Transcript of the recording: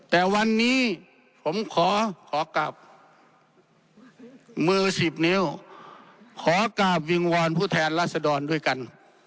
แต่วันนี้ผมขอขอกลับมือสิบนิ้วขอกลับวิงวอนผู้แทนราษดรด้วยกัน